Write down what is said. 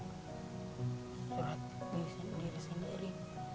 curhat diri sendiri